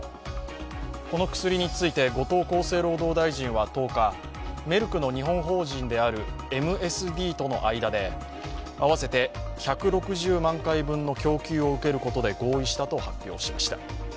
この薬について後藤厚生労働大臣は１０日、メルクの日本法人であるＭＳＤとの間であわせて１６０万回分の供給を受けることで合意したと発表しました。